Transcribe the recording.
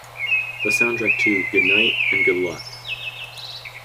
The soundtrack to Good Night, and Good Luck.